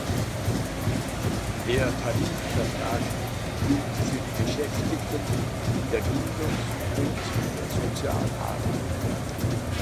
Der Tarifvertrag gilt für die Beschäftigten in der Bildungs- und der Sozialarbeit.